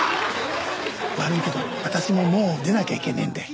悪いけど私ももう出なきゃいけねえんで。